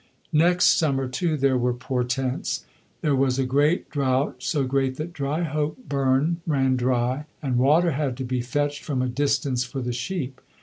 Next summer, too, there were portents. There was a great drought, so great that Dryhope burn ran dry, and water had to be fetched from a distance for the sheep.